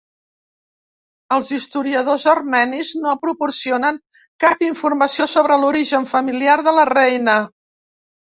Els historiadors armenis no proporcionen cap informació sobre l'origen familiar de la reina.